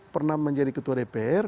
pernah menjadi ketua dpr